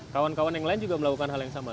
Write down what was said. kawan kawan yang lain juga melakukan hal yang sama